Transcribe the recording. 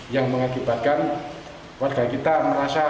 yang mengakibatkan warga kita merasa